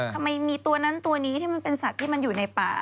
ทำไมมีตัวนั้นตัวนี้ที่มันเป็นสัตว์ที่มันอยู่ในป่า